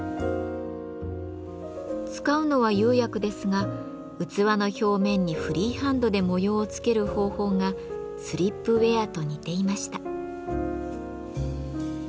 使うのは釉薬ですが器の表面にフリーハンドで模様をつける方法がスリップウェアと似ていました。